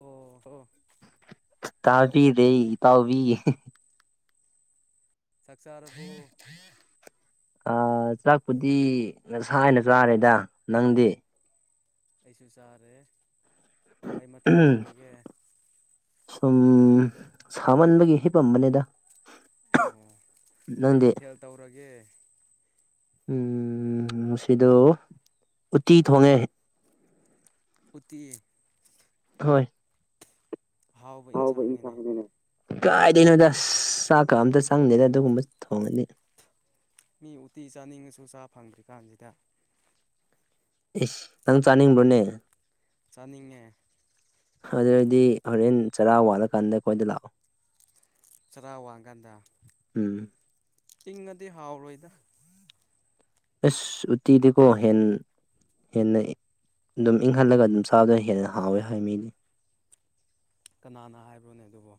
ꯑꯣ ꯍꯣ ꯇꯥꯕꯤꯗꯦ ꯏꯇꯥꯎꯕꯤ ꯆꯥꯛ ꯆꯥꯥꯔꯕꯣ ꯑꯥ ꯆꯥꯛꯄꯨꯗꯤ ꯉꯁꯥꯏꯅ ꯆꯥꯔꯦꯗ ꯅꯪꯗꯤ ꯑꯩꯁꯨ ꯆꯥꯔꯦ ꯀꯩ ꯃꯊꯦꯜ ꯇꯧꯔꯒꯦ ꯁꯨꯝ ꯁꯥꯃꯟꯕꯒꯤ ꯍꯤꯄꯝꯕꯅꯦꯗ ꯑꯣ ꯀꯩ ꯃꯊꯦꯜ ꯇꯧꯔꯒꯦ ꯎꯝ ꯉꯁꯤꯗꯣ ꯎꯠꯇꯤ ꯊꯣꯡꯉꯦ ꯎꯠꯇꯤ ꯍꯣꯏ ꯑꯍꯥꯎꯕ [unintelligible] ꯏꯟꯁꯥꯡꯅꯤꯅꯦ ꯀꯥꯏꯗꯩꯅꯣꯗ ꯑꯁ ꯆꯥꯛꯀ ꯑꯝꯇ ꯆꯪꯗꯦꯗ ꯑꯗꯨꯒꯨꯝꯕ ꯊꯣꯡꯔꯗꯤ ꯃꯤ ꯎꯠꯇꯤ ꯆꯥꯅꯤꯡꯉꯁꯨ ꯆꯥ ꯐꯪꯗ꯭ꯔꯤꯀꯥꯟꯁꯤꯗ ꯏꯁ ꯅꯪ ꯆꯥꯅꯤꯡꯕ꯭ꯔꯣꯅꯦ ꯆꯥꯅꯤꯡꯉꯦ ꯑꯗꯨꯑꯣꯏꯔꯗꯤ ꯍꯣꯔꯦꯟ ꯆꯔꯥ ꯋꯥꯜꯂꯀꯥꯟꯗ ꯑꯩꯈꯣꯏꯗ ꯂꯥꯛꯑꯣ ꯆꯔꯥ ꯋꯥꯟꯀꯥꯟꯗ ꯎꯝ ꯏꯪꯉꯗꯤ ꯍꯥꯎꯔꯣꯏꯗ ꯑꯁ ꯎꯠꯇꯤꯗꯤꯀꯣ ꯍꯦꯟ ꯍꯦꯟꯅ ꯏꯪꯛ ꯑꯗꯨꯝ ꯏꯪꯍꯜꯂꯒ ꯑꯗꯨꯝ ꯆꯥꯕꯗꯨꯅ ꯍꯦꯟꯅ ꯍꯥꯎꯋꯦ ꯍꯥꯏ ꯃꯤꯗꯤ ꯀꯅꯥꯅ ꯍꯥꯏꯕ꯭ꯔꯣꯅꯦ ꯑꯗꯨꯕꯣ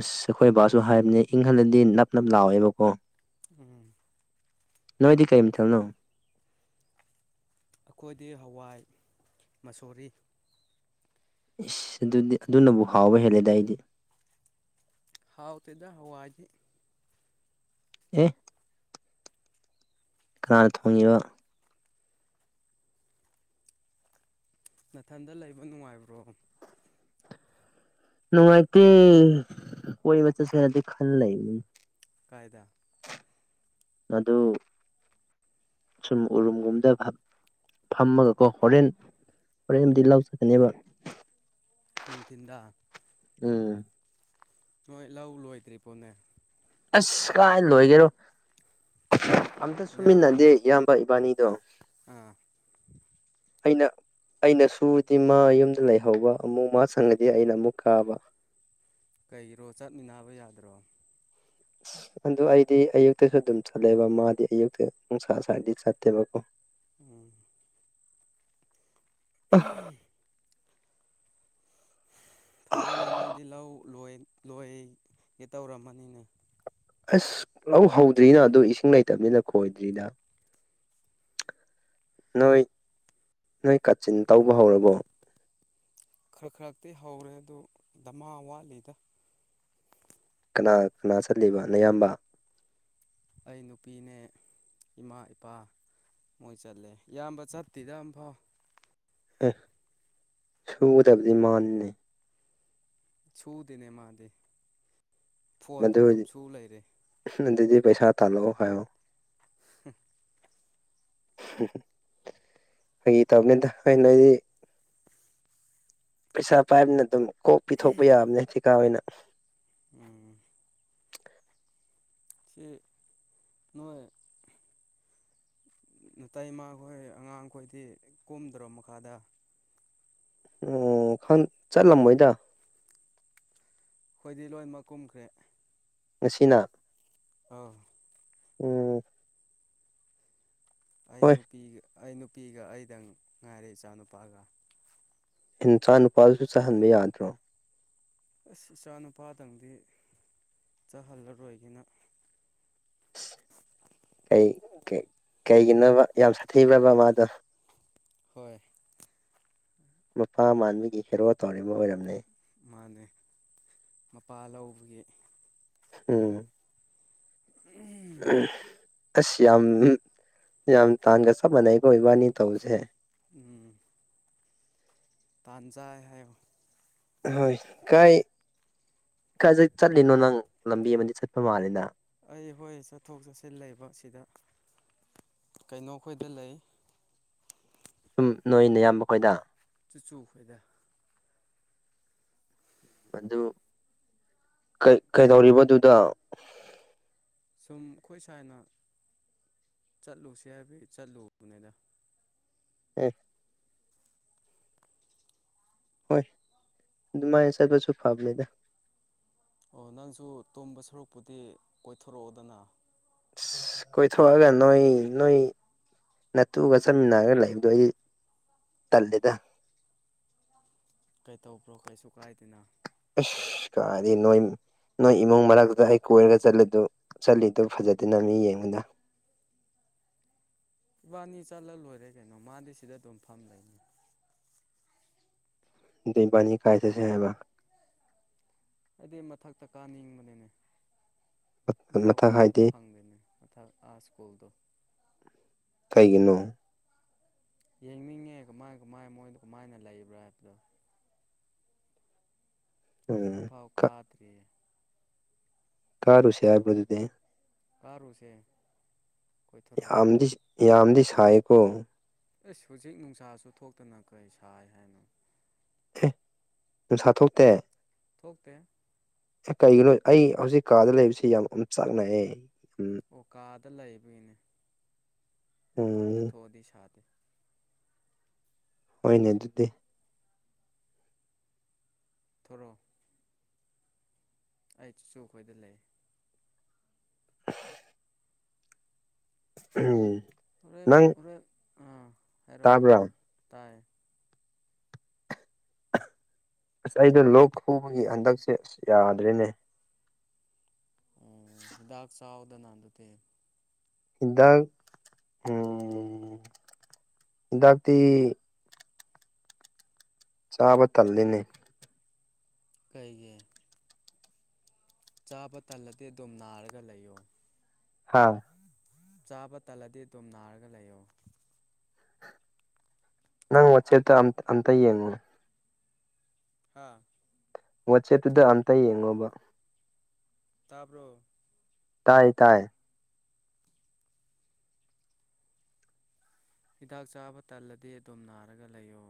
ꯑꯁ ꯑꯩꯈꯣꯏ ꯕꯥꯁꯨ ꯍꯥꯏꯕꯅꯦ ꯏꯪꯍꯜꯂꯗꯤ ꯅꯞ ꯅꯞ ꯂꯥꯎꯋꯦꯕꯀꯣ ꯎꯝ ꯅꯣꯏꯗꯤ ꯀꯩ ꯃꯊꯦꯜꯅꯣ ꯑꯩꯈꯣꯏꯗꯤ ꯍꯋꯥꯏ ꯃꯁꯣꯔꯤ ꯏꯁ ꯑꯗꯨꯗꯤ ꯑꯗꯨꯅꯕꯨ ꯍꯥꯎꯕ ꯍꯦꯜꯂꯦꯗ ꯑꯩꯗꯤ ꯍꯥꯎꯇꯦꯗ ꯍꯋꯥꯏꯗꯤ ꯑꯦ ꯀꯅꯥꯅ ꯊꯣꯡꯉꯤꯕ ꯅꯊꯟꯗ ꯂꯩꯕ ꯅꯨꯡꯉꯥꯏꯕ꯭ꯔꯣ ꯅꯨꯡꯉꯥꯏꯇꯦ ꯀꯣꯏꯕ ꯆꯠꯁꯦꯔꯥꯗꯤ ꯈꯜ ꯂꯩꯕꯅꯦ ꯀꯥꯏꯗ ꯑꯗꯨ ꯁꯨꯝ ꯎꯔꯨꯝꯒꯨꯝꯗ ꯍꯥꯛ__ ꯐꯝꯃꯒꯀꯣ ꯍꯣꯔꯦꯟ ꯍꯣꯔꯦꯟꯗꯤ ꯂꯧ ꯆꯠꯀꯅꯦꯕ ꯅꯨꯡꯊꯤꯟꯗ ꯎꯝ ꯅꯣꯏ ꯂꯧ ꯂꯣꯏꯗ꯭ꯔꯤꯕꯣꯅꯦ ꯑꯁ ꯀꯥꯏ ꯂꯣꯏꯒꯦꯔꯣ ꯑꯝꯇ ꯅꯌꯥꯝ ꯁꯨꯃꯤꯟꯅꯗꯦ ꯅ ꯏꯌꯥꯝꯕ ꯏꯕꯥꯅꯤꯗꯣ [unintelligible] ꯑꯩꯅ ꯑꯩꯅ ꯁꯨꯔꯗꯤ ꯃꯥ ꯌꯨꯝꯗ ꯂꯩꯍꯧꯕ ꯑꯃꯨꯛ ꯃꯥ ꯁꯪꯉꯗꯤ ꯑꯩꯅ ꯑꯃꯨꯛ ꯀꯥꯕ ꯀꯩꯒꯤꯔꯣ ꯆꯠꯃꯤꯟꯅꯕ ꯌꯥꯗ꯭ꯔꯣ ꯑꯁ ꯑꯗꯨ ꯑꯩꯗꯤ ꯑꯌꯨꯛꯇꯁꯨ ꯑꯗꯨꯝ ꯆꯠꯂꯦꯕ ꯃꯥꯗꯤ ꯑꯌꯨꯛꯇ ꯅꯨꯡꯁꯥ ꯁꯥꯔꯗꯤ ꯆꯠꯇꯦꯕꯀꯣ ꯎꯝ [unintelligible] ꯐꯔꯦꯅꯦ ꯅꯣꯏꯗꯤ ꯂꯧ ꯂꯣꯏ ꯂꯣꯏ ꯒꯦ ꯇꯧꯔꯝꯃꯅꯤꯅꯦ ꯑꯁ ꯂꯧ ꯍꯧꯗ꯭ꯔꯤꯅ ꯑꯗꯣ ꯏꯁꯤꯡ ꯂꯩꯇꯕꯅꯤꯅ ꯈꯣꯏꯗ꯭ꯔꯤꯅ ꯅꯣꯏ ꯅꯣꯏ ꯀꯥꯆꯤꯟ ꯇꯧꯕ ꯍꯧꯔꯕꯣ ꯈꯔ ꯈ꯭ꯔꯛꯇꯤ ꯍꯧꯔꯦ ꯑꯗꯨ ꯗꯃꯥ ꯋꯥꯠꯂꯤꯗ ꯀꯅꯥ ꯀꯅꯥ ꯆꯠꯂꯤꯕ ꯅꯌꯥꯝꯕ ꯑꯩ ꯅꯨꯄꯤꯅꯦ ꯏꯃꯥ ꯏꯄꯥ ꯃꯣꯏ ꯆꯠꯂꯦ ꯏꯌꯥꯝꯕ ꯆꯠꯇꯦꯗ ꯑꯝꯐꯥꯎ ꯑꯦ ꯁꯨꯒꯗꯕꯗꯤ ꯃꯥꯅꯤꯅꯦ ꯁꯨꯗꯦꯅꯦ ꯃꯥꯗꯤ ꯐꯣꯟꯗ ꯑꯗꯨꯝ ꯁꯨ ꯂꯩꯔꯦ ꯗꯤꯗꯤ ꯄꯩꯁꯥ ꯊꯥꯂꯣ ꯈꯣ ꯎ ꯎꯝ ꯑꯩꯈꯣꯏꯒꯤ ꯇꯧꯕꯅꯤꯗ ꯑꯩꯣꯏ ꯅꯣꯏꯗꯤ ꯄꯩꯁꯥ ꯄꯥꯏꯕꯅ ꯑꯗꯨꯝ ꯀꯣꯛ ꯄꯤꯊꯣꯛꯄ ꯌꯥꯕꯅꯦ ꯊꯤꯀꯥ ꯑꯣꯏꯅ ꯎꯝ ꯆꯦ ꯅ ꯇꯩꯥꯏ ꯏꯃꯥꯈꯣꯏ ꯑꯉꯥꯡꯈꯣꯏꯗꯤ ꯀꯣꯝꯗ꯭ꯔꯣ ꯃꯈꯥꯗ ꯑꯣ ꯆꯠꯂꯝꯕꯣꯏꯗ ꯍꯣꯏꯗꯤ ꯂꯣꯏꯃꯛ ꯀꯨꯝꯈ꯭ꯔꯦ ꯃꯁꯤꯅ ꯑꯥ ꯎꯝ ꯑꯩ ꯍꯣꯏ ꯅꯨꯄꯤꯒ ꯑꯩ ꯅꯨꯄꯤꯒ ꯑꯩꯗꯪ ꯉꯥꯏꯔꯦ ꯏꯆꯥ ꯅꯨꯄꯥꯒ ꯑꯦ ꯅꯨꯆꯥ ꯅꯨꯄꯥꯗꯨꯁꯨ ꯆꯥꯍꯟꯕ ꯌꯥꯗ꯭ꯔꯣ ꯑꯁ ꯏꯆꯥ ꯅꯨꯄꯥꯗꯪꯗꯤ ꯆꯥꯍꯜꯂꯔꯣꯏꯒꯤꯅ ꯀꯩꯒꯤꯅꯣꯕ ꯌꯥꯝ ꯁꯥꯊꯤꯔꯕ ꯃꯥꯗꯣ ꯍꯣꯏ ꯃꯄꯥ ꯃꯥꯟꯕꯒꯤ ꯍꯦꯔꯣ ꯇꯧꯔꯤꯕ ꯑꯣꯏꯔꯝꯅꯦ ꯃꯥꯅꯦ ꯃꯄꯥ ꯂꯧꯕꯒꯤ ꯎꯝ ꯎꯝ ꯎ ꯑꯁ ꯌꯥꯝ ꯌꯥꯝ ꯇꯥꯟꯒ ꯆꯞ ꯃꯥꯟꯅꯩꯒ ꯏꯕꯥꯅꯤ ꯇꯧꯕꯁꯦ ꯎꯝ ꯄꯥꯟꯖꯥꯏ ꯍꯥꯏꯌꯣ ꯍꯣꯏ ꯀꯥꯏ ꯀ ꯆꯠꯂꯤꯅꯣ ꯅꯪ ꯂꯝꯕꯤ ꯑꯃꯗꯤ ꯆꯠꯄ ꯃꯥꯜꯂꯤꯦꯗ ꯑꯩ ꯍꯣꯏ ꯆꯠꯊꯣꯛ ꯆꯠꯁꯤꯟ ꯂꯩꯕꯁꯤꯗ ꯀꯩꯅꯣꯈꯣꯏꯗ ꯂꯩ ꯁꯨꯝ ꯅꯣꯏꯅ ꯌꯥꯝꯕ ꯑꯩꯈꯣꯏꯗ ꯆꯨꯆꯨ ꯈꯣꯏꯗ ꯑꯗꯨ ꯀꯩꯗꯧꯔꯤꯕꯗꯨꯗ ꯁꯨꯝ ꯑꯩꯈꯣꯏ ꯁꯅ ꯆꯠꯂꯨꯁꯤ ꯍꯥꯏꯕꯒꯤ ꯆꯠꯂꯨꯕꯅꯤꯗ ꯎꯝ ꯍꯣꯏ ꯑꯗꯨ ꯃꯥꯏꯅ ꯆꯠꯄꯁꯨ ꯐꯕꯅꯤꯗ ꯑꯣ ꯅꯪꯁꯨ ꯇꯣꯝꯕ ꯁꯔꯨꯛꯄꯨꯗꯤ ꯀꯣꯏꯊꯣꯔꯛꯑꯣꯗꯅ ꯑ ꯀꯣꯏꯊꯣꯛꯑꯒ ꯅꯣꯏ ꯅꯣꯏ ꯅꯠꯇꯨꯒ ꯆꯠꯃꯤꯟꯅꯔꯒ ꯂꯩꯕꯗꯣ ꯑꯩ ꯇꯜꯂꯦꯗ ꯀꯩꯇꯧꯕ꯭ꯔꯣ ꯀꯩꯁꯨ ꯀꯥꯏꯗꯅ ꯑꯦꯁ ꯀꯗꯤ ꯅꯣꯣꯏ ꯅꯣꯏ ꯏꯃꯨꯡ ꯃꯔꯛꯇꯨ ꯑꯩ ꯀꯣꯏꯔꯒ ꯆꯠꯂꯗꯨ ꯆꯠꯂꯤꯗꯨ ꯐꯖꯗꯅ ꯃꯤ ꯌꯦꯡꯕꯗ ꯏꯕꯥꯅꯤ ꯆꯠꯂ ꯂꯣꯏꯔꯦ ꯀꯩꯅꯣ ꯃꯥꯗꯤ ꯁꯤꯗ ꯑꯗꯨꯝ ꯐꯝꯗꯣꯏꯅꯤ ꯗꯤ ꯄꯅꯤ ꯈꯥꯏꯁꯁꯦ ꯍꯥꯏꯦꯕ ꯑꯩꯗꯤ ꯃꯊꯛꯇ ꯀꯥꯅꯤꯡꯕꯅꯤꯅꯦ ꯏꯐꯥꯎ ꯃꯊꯛ ꯀꯥꯕ ꯍꯥꯏꯗꯤ ꯐꯪꯗꯣꯏꯅꯦ ꯑꯊ ꯑ ꯁ꯭ꯀꯨꯜꯗ ꯀꯥꯏꯒꯤꯅꯣ ꯌꯦꯡꯅꯤꯡꯉꯦ ꯀꯃꯥꯏ ꯀꯃꯥꯏ ꯃꯣꯏꯗ ꯀꯃꯥꯏꯅ ꯂꯩꯕ꯭ꯔꯥ ꯍꯥꯏꯕꯗꯣ ꯎꯝ ꯑꯝꯐꯥꯎ ꯀꯥ ꯀꯥꯗ꯭ꯔꯤ ꯀꯥꯔꯨ ꯎꯆ ꯍꯥꯏꯕꯗꯗꯤ ꯀꯥꯔꯨꯁꯦ ꯀꯣꯏꯊꯣꯔꯛꯑꯣ ꯌꯥꯝꯗꯤ ꯌꯥꯝꯗꯤ ꯁꯥꯏꯀꯣ ꯑꯦꯁ ꯍꯧꯖꯤꯛ ꯅꯨꯡꯁꯥꯁꯨ ꯊꯣꯛꯇꯅ ꯀꯔꯤ ꯁꯥꯏ ꯍꯥꯏꯅꯣ ꯑꯦ ꯁꯨꯝ ꯁꯥꯠꯇꯣꯛꯇꯦ ꯊꯣꯛꯄꯦ ꯑꯦ ꯀꯩꯒꯤꯅꯣ ꯑꯩ ꯍꯧꯖꯤꯛ ꯀꯥꯗ ꯂꯩꯕꯕꯁꯤꯦ ꯌꯥꯝ ꯆꯥꯛꯅꯑꯦ ꯎꯝ ꯑꯣꯀꯥꯗ ꯂꯩꯕꯒꯤꯅꯦ ꯃꯄꯥꯟꯗ ꯎꯝ ꯊꯣꯛꯑꯗꯤ ꯁꯥꯗꯦ ꯍꯅꯦ ꯑꯗꯨꯗꯤ ꯄ ꯊꯊ꯭ꯔꯣ ꯑꯩ ꯆꯁꯨ ꯑꯩꯈꯣꯏꯗ ꯂꯩ [inaudible] ꯎꯝ ꯑꯣꯔ ꯅꯪ ꯑꯣꯔ ꯑꯥ ꯍꯥꯏꯔꯣ ꯇꯥꯕ꯭ꯔꯥ ꯇꯥꯏ ꯑꯁ ꯑꯩꯗꯣ ꯂꯣꯛ ꯈꯨꯕꯒꯤ ꯍꯟꯗꯛꯁꯦ ꯑꯁ ꯌꯥꯗ꯭ꯔꯦꯅꯦ ꯎ ꯍꯤꯗꯥꯛ ꯆꯥꯎꯗꯅ ꯑꯗꯨꯗꯤꯦ ꯍꯤꯗꯥꯛ ꯍꯤꯗꯥꯛꯇꯤ ꯆꯥꯕ ꯇꯜꯂꯤꯅꯦ ꯀꯩꯒꯤꯦ ꯆꯥꯕ ꯇꯜꯂꯗꯤ ꯑꯗꯨꯝ ꯅꯥꯔꯒ ꯂꯩꯌꯣ ꯍꯥꯥ ꯆꯥꯕ ꯇꯜꯂꯗꯤ ꯑꯗꯨꯝ ꯅꯥꯔꯒ ꯂꯩꯌꯣ ꯅꯪ ꯋꯥꯆꯦꯞꯇ ꯑꯝꯇ ꯌꯦꯡꯉꯅꯦ ꯍꯥꯥ ꯋꯥꯆꯦꯞꯇꯨꯗ ꯑꯝꯇ ꯌꯦꯡꯉꯣꯕ ꯇꯥꯄꯣ ꯇꯥꯏ ꯇꯥꯏ ꯍꯤꯗꯥꯛ ꯆꯥꯕ ꯇꯜꯂꯗꯤ ꯑꯗꯨꯝ ꯅꯥꯔꯒ ꯂꯩꯌꯣ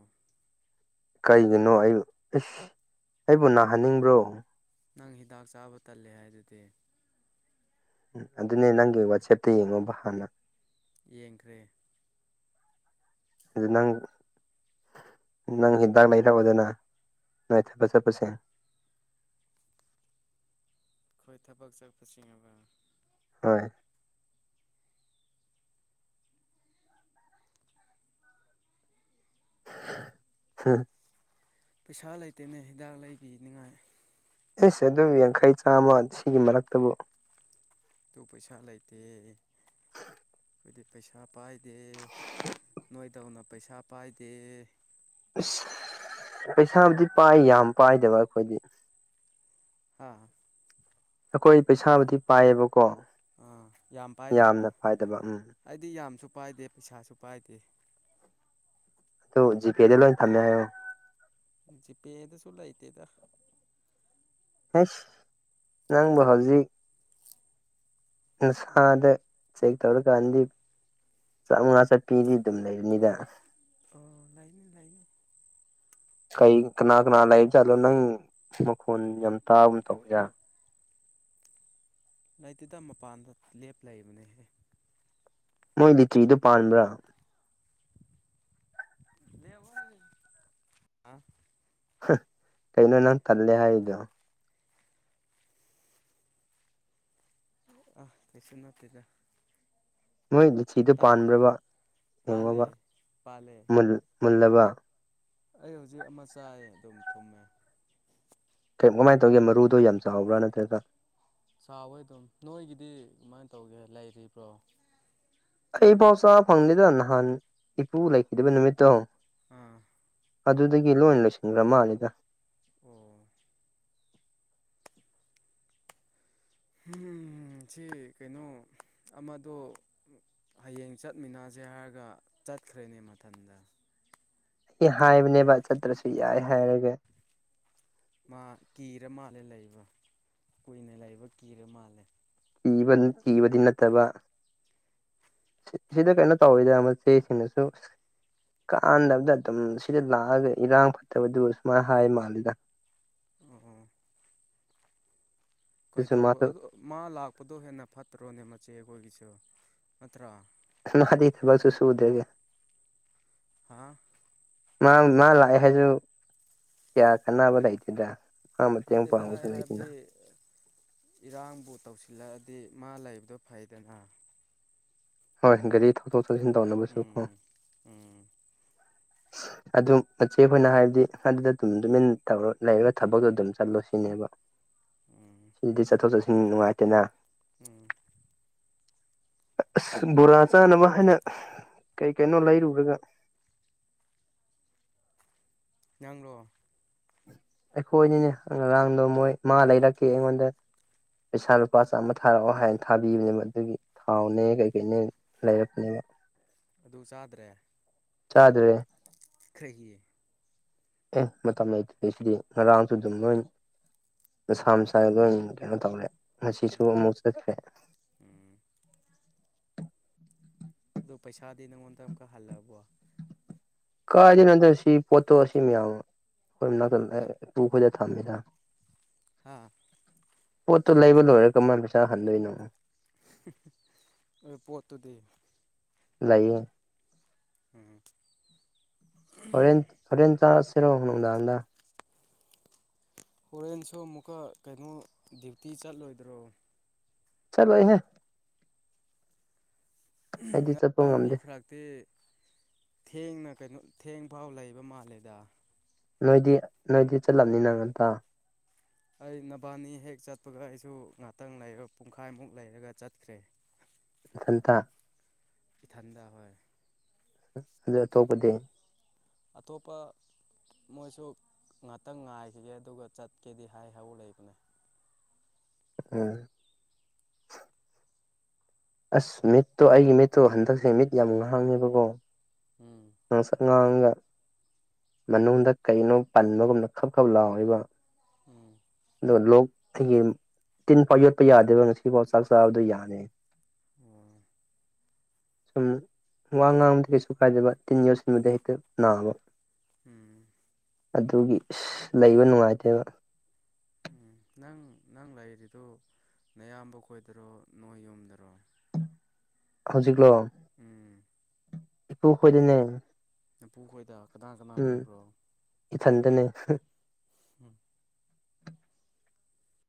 ꯀꯩꯒꯤꯅꯣ ꯑꯩ ꯏꯁꯁ ꯑꯩꯕꯨ ꯅꯥꯍꯟꯅꯤꯡꯕ꯭ꯔꯣ ꯅꯪ ꯍꯤꯗꯥꯛ ꯆꯥꯕ ꯇꯜꯂꯦ ꯍꯥꯏꯗꯨꯗꯤ ꯎꯝ ꯑꯗꯨꯅꯦ ꯅꯪꯒꯤ ꯋꯥꯆꯦꯞꯇ ꯌꯦꯡꯉꯣꯕ ꯍꯥꯟꯅ ꯌꯦꯡꯈ꯭ꯔꯦ ꯑꯗꯨ ꯅꯪ ꯅꯪ ꯍꯤꯗꯥꯛ ꯂꯩꯔꯛꯑꯣꯗꯅ ꯅꯥꯏꯊꯠꯕ ꯆꯠꯄꯁꯦ ꯑꯩꯈꯣꯏ ꯊꯕꯛ ꯆꯠꯄꯁꯤꯡꯕ ꯍꯣꯏ ꯍꯝ ꯄꯩꯁꯥ ꯂꯩꯇꯦꯅꯦ ꯍꯤꯗꯥꯛ ꯂꯩꯕꯤꯅꯤꯉꯥꯏ ꯑꯦꯁ ꯑꯗꯨ ꯌꯥꯡꯈꯩ ꯆꯥꯝꯃ ꯁꯤꯒꯤ ꯃꯔꯛꯇꯕꯨ ꯑꯗꯨ ꯄꯩꯁꯥ ꯂꯩꯇꯦ ꯇꯥꯗꯦ [unintelligible] ꯍꯥꯏꯈꯣꯏꯗꯤ ꯄꯩꯁꯥ ꯄꯥꯏꯗꯦ ꯅꯣꯏꯗꯧꯅ ꯄꯩꯁꯥ ꯄꯥꯏꯗꯦ ꯑ ꯄꯩꯁꯥꯕꯨꯗꯤ ꯄꯥꯏ ꯌꯥꯝ ꯄꯥꯏꯗꯕ ꯑꯩꯈꯣꯏꯗꯤ ꯍꯥ ꯑꯩꯈꯣꯏ ꯄꯩꯁꯥꯕꯨꯗꯤ ꯄꯥꯏꯌꯦꯕꯀꯣ ꯑꯥ ꯌꯥꯝ ꯄꯥꯏꯗꯕ ꯌꯥꯝꯅ ꯄꯥꯏꯗꯕ ꯎꯝ ꯑꯩꯗꯤ ꯌꯥꯝꯁꯨ ꯄꯥꯏꯗꯦ ꯄꯩꯁꯥꯁꯨ ꯄꯥꯏꯗꯦ ꯇꯣ ꯖꯤꯄꯦꯗ ꯂꯣꯏ ꯊꯝꯃꯦ ꯍꯥꯏꯣ ꯖꯤ ꯄꯦꯗ ꯆꯨꯂ ꯑꯥꯏꯇꯗ ꯍꯁ ꯅꯪꯕꯨ ꯍꯧꯖꯤꯛ ꯅꯨꯡꯁꯥꯗ ꯆꯦꯛ ꯇꯧꯔꯀꯥꯟꯗꯤ ꯆꯥꯃꯉꯥ ꯆꯠꯄꯤꯗꯤ ꯑꯗꯨꯝ ꯂꯩꯔꯅꯤꯗ ꯑꯣ ꯂꯩꯥꯏꯅꯦ ꯂꯩꯥꯏꯅꯦ ꯀꯩ ꯀꯅꯥ ꯀꯅꯥ ꯂꯩꯔꯤꯕ ꯥꯠꯂꯣ ꯅꯪ ꯃꯈꯣꯟ ꯌꯥꯝ ꯇꯥꯕ ꯇꯧꯕ ꯌꯥ ꯂꯩꯇꯗ ꯃꯄꯥꯟꯗ ꯂꯦꯞ ꯂꯩꯕꯅꯦꯍꯦ ꯃꯣꯏ ꯂꯤꯇ꯭ꯔꯤꯗꯨ ꯄꯥꯟꯕ꯭ꯔꯥ ꯗꯕ ꯑ [inaudible] ꯀꯩꯅꯣ ꯅꯪ ꯇꯜꯂꯦ ꯍꯥꯏꯗꯨ ꯑ ꯀꯩꯁꯨ ꯅꯠꯇꯦꯗ ꯃꯣꯏ ꯂꯤꯆꯤꯗꯣ ꯇꯥ ꯄꯥꯟꯕ꯭ꯔꯕ ꯄꯥꯜꯂꯦ ꯌꯦꯡꯉꯣꯕ ꯄꯥꯜꯂꯦ ꯃꯨꯜꯂꯕ ꯑꯩ ꯍꯧꯖꯤꯛ ꯑꯃ ꯆꯥꯢ ꯑꯗꯨꯝ ꯊꯨꯝꯃꯦ ꯀꯩ ꯀꯃꯥꯏꯅ ꯇꯧꯒꯦ ꯃꯔꯨꯗꯣ ꯌꯥꯝ ꯆꯥꯎꯕ꯭ꯔꯥ ꯅꯠꯇ꯭ꯔꯒ ꯆꯥꯎꯌꯦ ꯑꯗꯨꯝ ꯅꯣꯏꯒꯤꯗꯤ ꯀꯃꯥꯏꯅ ꯇꯧꯒꯦ ꯂꯩꯔꯤꯕ꯭ꯔꯣ ꯑꯩ ꯄꯥꯎ ꯆꯥ ꯐꯪꯗꯦꯗ ꯅꯍꯥꯟ ꯏꯄꯨ ꯂꯩꯈꯤꯗꯕ ꯅꯨꯃꯤꯠꯇꯣ ꯑꯥ ꯑꯗꯨꯗꯒꯤ ꯂꯣꯢ ꯂꯣꯏꯁꯤꯟ꯭ꯈꯔ ꯃꯥꯜꯂꯤꯗ ꯑꯣ ꯁꯤ ꯀꯩꯅꯣ ꯑꯃꯗꯣ ꯍꯌꯦꯡ ꯆꯠꯃꯤꯟꯅꯁꯦ ꯍꯥꯏꯔꯒ ꯆꯠꯈ꯭ꯔꯦꯅꯦ ꯃꯊꯟꯗ ꯁꯤ ꯍꯥꯏꯕꯅꯦꯕ ꯆꯠꯇ꯭ꯔꯁꯨ ꯌꯥꯏ ꯍꯥꯏꯔꯒꯦ ꯃꯥ ꯀꯤꯔ ꯃꯥꯜꯂꯦ ꯂꯩꯕ ꯀꯨꯏꯅ ꯂꯩꯕ ꯀꯤꯔ ꯃꯥꯜꯂꯦ ꯒꯤꯕ ꯒꯤꯕꯗꯤ ꯅꯠꯇꯕ ꯁꯤꯗ ꯀꯩꯅꯣ ꯇꯧꯋꯤꯗ ꯃꯆꯦ ꯀꯩꯅꯣꯁꯨ ꯀꯥꯟꯅꯕꯗ ꯑꯗꯨꯝ ꯁꯤꯗ ꯂꯥꯛꯑꯒ ꯏꯔꯥꯡ ꯐꯠꯇꯕꯗꯨ ꯁꯨꯃꯥꯏꯅ ꯍꯥꯏ ꯃꯥꯜꯂꯤꯗ ꯑꯣ ꯑꯣ ꯑꯗꯨꯁꯨ ꯀꯩꯗꯧ ꯃꯥꯁꯨ ꯑ ꯃꯥ ꯂꯥꯛꯄꯗꯣ ꯍꯦꯟꯅ ꯐꯠꯇ꯭ꯔꯣꯅꯦ ꯃꯆꯦ ꯑꯩꯈꯣꯏꯒꯤꯁꯨ ꯅꯠꯇ꯭ꯔꯥ ꯃꯗꯤ ꯊꯕꯛꯁꯨ ꯁꯨꯗꯦꯅꯦ ꯍꯥꯥ ꯃꯥ ꯃꯥ ꯂꯥꯛꯑꯦ ꯍꯥꯏꯁꯨ ꯀꯌꯥ ꯀꯥꯟꯅꯕ ꯂꯩꯇꯦꯗ ꯃꯥ ꯃꯇꯦꯡ ꯅꯠꯇꯦ ꯄꯥꯡꯕꯁꯨ ꯑꯩ ꯂꯩꯗꯅ ꯍꯥꯏꯕꯗꯤ ꯏꯔꯥꯡꯕꯨ ꯇꯧꯁꯤꯜꯂꯛꯑꯗꯤ ꯃꯥ ꯂꯩꯕꯗꯣ ꯐꯩꯗꯅ ꯍꯣꯏ ꯒꯥꯔꯤ ꯊꯧꯊꯣꯛ ꯆꯠꯁꯤꯟ ꯇꯧꯅꯕꯁꯨ ꯀꯣ ꯎꯝ ꯎꯝ ꯑꯗꯨ ꯃꯆꯦ ꯑꯩꯈꯣꯏꯅ ꯍꯥꯏꯕꯗꯤ ꯑꯗꯨꯗ ꯑꯗꯨꯝ ꯇꯨꯃꯤꯟ ꯇꯧꯔ ꯂꯩꯔꯒ ꯊꯕꯛꯇꯣ ꯑꯗꯨꯝ ꯆꯠꯂꯣ ꯁꯤꯅꯦꯕ ꯎꯝ ꯑꯗꯨꯗꯤ ꯆꯠꯊꯣꯛ ꯆꯠꯁꯤꯟ ꯅꯨꯡꯉꯥꯏꯇꯦꯅ ꯎꯝ ꯑꯁ ꯕꯣꯔꯥ ꯆꯥꯅꯕ ꯍꯥꯏꯅ ꯀꯩ ꯀꯩꯅꯣ ꯂꯩꯔꯨꯔꯒ ꯅꯪꯔꯣ ꯑꯩꯈꯣꯏꯅꯤꯅꯦ ꯉꯔꯥꯡꯗꯣ ꯃꯣꯏ ꯃꯥ ꯂꯩꯔꯛꯀꯦ ꯑꯩꯉꯣꯟꯗ ꯄꯩꯁꯥ ꯂꯨꯄꯥ ꯆꯥꯝꯃ ꯊꯥꯔꯛꯑꯣ ꯍꯥꯏꯅ ꯊꯥꯕꯤꯕꯅꯦꯕ ꯑꯗꯨꯒꯤ ꯊꯥꯎꯅꯦ ꯀꯩꯀꯩꯅꯦ ꯂꯩꯔꯛꯄꯅꯦꯕ ꯑꯗꯨ ꯆꯥꯗ꯭ꯔꯦ ꯆꯥꯗ꯭ꯔꯦ ꯀꯩꯒꯤ ꯑꯦ ꯃꯇꯝ ꯂꯩꯇꯕꯒꯤ ꯉꯔꯥꯡꯁꯨ ꯑꯗꯨꯝ ꯂꯣꯏ ꯃꯁꯥ ꯑꯣ ꯃꯁꯥ ꯂꯣꯏ ꯀꯩꯅꯣ ꯇꯧꯔꯦ ꯉꯁꯤꯁꯨ ꯎꯝ ꯑꯃꯨꯛ ꯆꯠꯈꯔꯦ ꯎꯝ ꯑꯗꯣ ꯄꯩꯁꯥꯗꯤ ꯅꯉꯣꯟꯗ ꯑꯃꯨꯛꯀ ꯍꯜꯂꯛꯕꯣ ꯀꯥꯢꯗꯩꯅꯣꯗ ꯁꯤ ꯄꯣꯠꯇꯣ ꯁꯤ ꯃꯌꯥꯝ ꯑꯃ ꯅ [inaudible] ꯇꯨꯡ ꯈꯣꯗ ꯊꯝꯃꯦꯗ ꯍꯥꯥ ꯄꯣꯠꯇꯨ ꯂꯩꯕ ꯂꯣꯏꯔ ꯀꯃꯥꯢꯅ ꯄꯩꯁꯥ ꯍꯟꯗꯣꯏꯅꯣ ꯄꯣꯠꯇꯨꯗꯤ ꯂꯩꯏꯌꯦ ꯎꯝ ꯍꯣꯔꯦꯟ ꯍꯣꯔꯦꯟ ꯆꯥꯔꯁꯤꯔꯣ ꯍꯅ ꯑ ꯍꯣꯔꯦꯟꯁꯨ ꯑꯃꯨꯛꯀ ꯀꯩꯅꯣ ꯗ꯭ꯌꯨꯇꯤ ꯆꯠꯂꯣꯏꯗ꯭ꯔꯣ ꯆꯠ ꯚ ꯍꯦ ꯑꯩꯗꯤ ꯆꯠꯄ ꯉꯔꯥꯡ ꯃꯤ ꯉꯝꯗꯦ ꯈꯔꯛꯇꯤ ꯊꯦꯡꯅ ꯀꯩꯅꯣ ꯊꯦꯡ ꯐꯥꯎ ꯂꯩꯕ ꯃꯥꯜꯂꯦꯗ ꯅꯣꯏꯗꯤ ꯅꯣꯏꯗꯤ ꯆꯠꯂꯝꯕꯅꯤꯅꯪ ꯉꯟꯇ ꯑꯩ ꯅꯕꯥꯅꯤ ꯍꯦꯛ ꯆꯠꯄꯒ ꯑꯩꯁꯨ ꯉꯥꯛꯇꯪ ꯄꯨꯡꯈꯥꯏꯃꯨꯛ ꯂꯩꯔꯒ ꯆꯠꯈ꯭ꯔꯦ [inaudible] ꯊꯟꯇ ꯊꯥꯗꯥ ꯍ ꯑꯗꯨ ꯊꯣꯛꯄꯗꯤ ꯑꯇꯣꯞꯄ ꯃꯣꯏꯁꯨ ꯉꯥꯛꯇꯪ ꯉꯥꯏꯈꯤꯒꯦ ꯑꯗꯨꯒ ꯆꯠꯀꯦꯗꯤ ꯍꯥꯏꯍꯧ ꯂꯩꯕꯅꯦ꯫ ꯎꯝ꯫ ꯑꯁ ꯃꯤꯠꯇꯣ ꯑꯩꯒꯤ ꯃꯤꯠꯇꯣ ꯍꯟꯗꯛꯁꯦ ꯃꯤꯠ ꯌꯥꯝ ꯉꯥꯡꯉꯕꯀꯣ ꯎꯝꯪ ꯉꯥꯁꯡ ꯉꯥꯡꯒ ꯃꯅꯨꯡꯗ ꯀꯩꯅꯣ ꯄꯟꯕꯒꯨꯝꯅ ꯈꯕ ꯈꯕ ꯂꯥꯎꯋꯦꯕ꯫ ꯎꯝ ꯑꯗꯨꯒ ꯂꯣꯛ ꯑꯩꯒꯤ ꯇꯤꯟ ꯐꯥꯎ ꯌꯣꯠꯄ ꯌꯥꯗꯦꯕ ꯉꯁꯤꯐꯥꯎ ꯆꯥꯛ ꯆꯥꯕꯗꯣ ꯌꯥꯅꯤ ꯑꯣ ꯁꯨꯝ ꯋꯥ ꯉꯥꯡꯕꯗ ꯀꯩꯁꯨ ꯀꯥꯏꯗꯕ ꯇꯤꯟ ꯌꯧꯁꯤꯟꯕꯗ ꯍꯦꯛꯇ ꯅꯥꯕ꯫ ꯎꯝ ꯑꯗꯨꯒꯤ ꯂꯩꯕ ꯅꯨꯡꯉꯥꯏꯇꯦꯕ ꯎꯝ ꯅꯪ ꯅꯪ ꯂꯩꯔꯤꯗꯨ ꯅꯌꯥꯝꯕ ꯈꯣꯏꯗꯔꯣ ꯅꯣꯏ ꯌꯨꯝꯗꯔꯣ ꯍꯧꯖꯤꯛꯂꯣ ꯎꯝ ꯏꯨ ꯈꯣꯏꯗꯅꯦ ꯝꯐꯨ ꯈꯣꯏꯗ ꯀꯅꯥ ꯀꯅꯥ ꯎꯝ ꯂꯩꯕ꯭ꯔꯣ ꯏꯊꯟꯗꯅꯦ ꯎꯝ